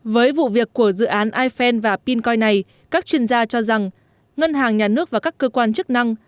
với vụ việc của dự án ipend và pincoin này các chuyên gia cho rằng ngân hàng nhà nước và các cơ quan chức năng